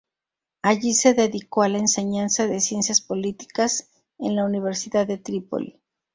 Allí se dedicó a la enseñanza de Ciencias Políticas en la Universidad de Trípoli.